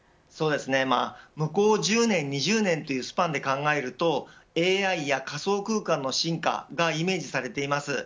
向こう１０年、２０年というスパンで考えるとＡＩや仮想空間の進化がイメージされています。